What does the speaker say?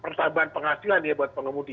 persabaan penghasilan ya buat pengemudi